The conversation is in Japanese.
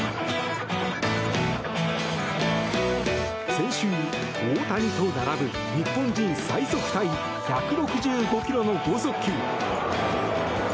先週、大谷と並ぶ日本人最速タイ１６５キロの豪速球。